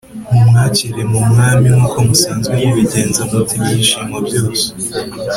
mumwakire b mu Mwami nk uko musanzwe mubigenza mu te ibyishimo byose